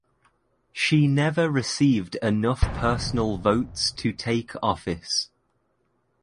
She never received enough personal votes to take office.